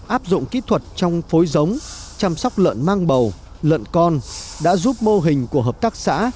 áp dụng kỹ thuật trong phối giống chăm sóc lợn mang bầu lợn con đã giúp mô hình của hợp tác xã